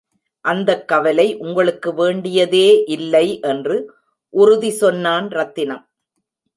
அந்தக் கவலை உங்களுக்கு வேண்டியதே இல்லை என்று உறுதி சொன்னான் ரத்தினம்.